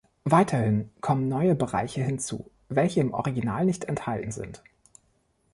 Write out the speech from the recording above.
Weiterhin kommen neue Bereiche hinzu, welche im Original nicht enthalten sind.